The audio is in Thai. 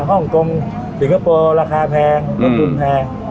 ห้องกงสิงคโปร์ราคาแพงเงินกลุ่มแพง